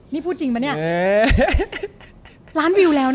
นี่พูดจริงปะเนี่ย